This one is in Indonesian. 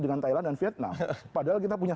dengan thailand dan vietnam padahal kita punya